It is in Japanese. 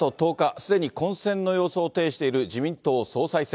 すでに混戦の様相を呈している自民党総裁選。